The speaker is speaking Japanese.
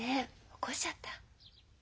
起こしちゃった？